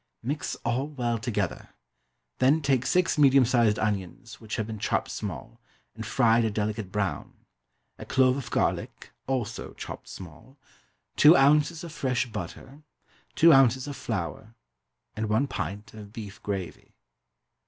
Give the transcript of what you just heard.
Mix all well together; then take six medium sized onions which have been chopped small and fried a delicate brown, a clove of garlic, also chopped small, two ounces of fresh butter, two ounces of flour, and one pint of beef gravy.